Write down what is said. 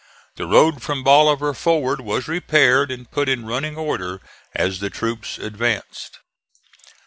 The road from Bolivar forward was repaired and put in running order as the troops advanced.